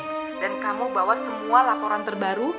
dan kamu bawa semua laporan terbaru